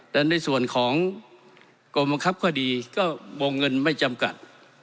และในส่วนของกรมบังคับคดีก็วงเงินไม่จำกัด